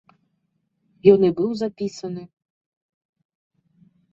Ён і быў запісаны.